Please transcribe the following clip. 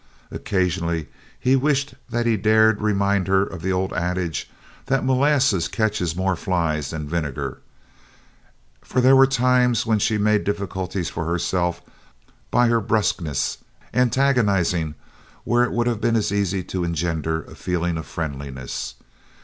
Occasionally he wished that he dared remind her of the old adage that "Molasses catches more flies than vinegar," for there were times when she made difficulties for herself by her brusqueness, antagonizing where it would have been as easy to engender a feeling of friendliness.